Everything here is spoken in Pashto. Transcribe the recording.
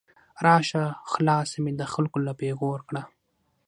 راشه خلاصه مې د خلګو له پیغور کړه